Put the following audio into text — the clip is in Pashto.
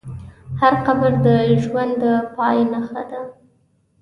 هر قبر د ژوند د پای نښه ده.